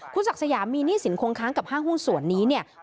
คุณศักดิ์สยามมีหนี้สินคงค้างกับห้างหุ้นส่วนนี้เนี่ย